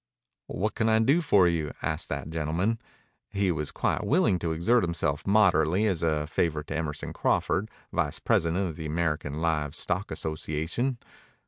"What can I do for you?" asked that gentleman. He was quite willing to exert himself moderately as a favor to Emerson Crawford, vice president of the American Live Stock Association.